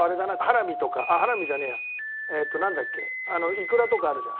いくらとかあるじゃん。